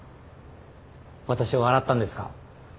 私を洗ったんですか？